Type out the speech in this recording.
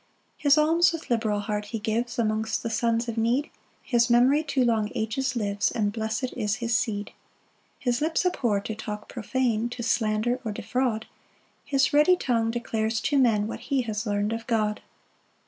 3 His alms with liberal heart he gives Amongst the sons of need; His memory to long ages lives, And blessed is his seed. 4 His lips abhor to talk profane, To slander or defraud; His ready tongue declares to men What he has learn'd of God.